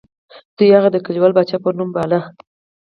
دوی هغه د کلیوال پاچا په نوم باله.